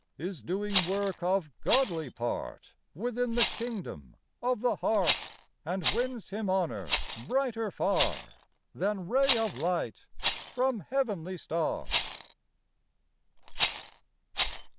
Is doing work of godly part Within the kingdom of the heart. And wins him honor brighter far Than ray of light from heavenly star